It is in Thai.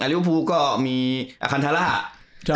อาริวภูก็มีอะคันทารา